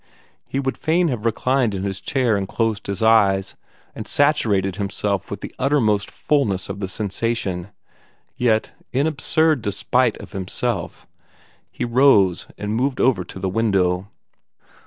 He would fain have reclined in his chair and closed his eyes, and saturated himself with the uttermost fulness of the sensation. Yet, in absurd despite of himself, he rose and moved over to the window.